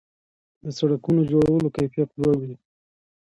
د سړکونو جوړولو کیفیت لوړ وي.